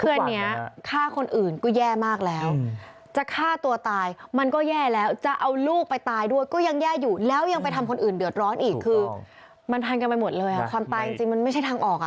เพื่อนนี้ฆ่าคนอื่นก็แย่มากแล้วจะฆ่าตัวตายมันก็แย่แล้วจะเอาลูกไปตายด้วยก็ยังแย่อยู่แล้วยังไปทำคนอื่นเดือดร้อนอีกคือมันพันกันไปหมดเลยอ่ะความตายจริงมันไม่ใช่ทางออกอ่ะ